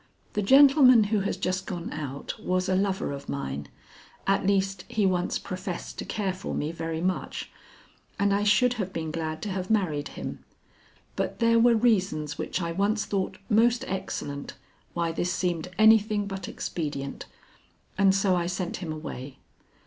"The gentleman who has just gone out was a lover of mine; at least he once professed to care for me very much, and I should have been glad to have married him, but there were reasons which I once thought most excellent why this seemed anything but expedient, and so I sent him away.